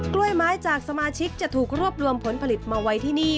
กล้วยไม้จากสมาชิกจะถูกรวบรวมผลผลิตมาไว้ที่นี่